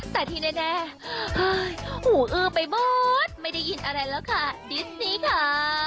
แต่ที่แน่หูอื้อไปหมดไม่ได้ยินอะไรแล้วค่ะดิสซี่ค่ะ